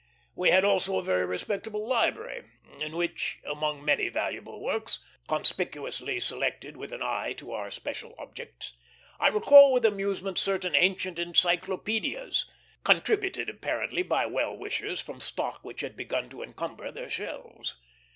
We had also a very respectable library, in which, among many valuable works, conspicuously selected with an eye to our special objects, I recall with amusement certain ancient encyclopædias, contributed apparently by well wishers from stock which had begun to encumber their shelves.